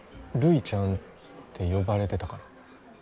ルイちゃんって呼ばれてたから。